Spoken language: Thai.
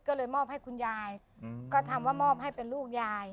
ก็เลยมอบให้คุณยายก็ทำว่ามอบให้เป็นลูกยาย